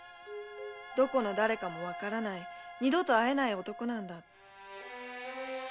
どこの誰かもわからない二度と会えない男なんだ。